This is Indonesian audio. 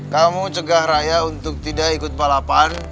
kamu cegah raya untuk tidak ikut balapan